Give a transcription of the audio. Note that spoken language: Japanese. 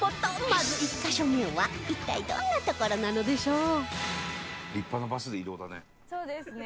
まず１カ所目は一体どんな所なのでしょう？